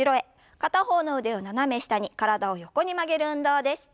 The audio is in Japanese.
片方の腕を斜め下に体を横に曲げる運動です。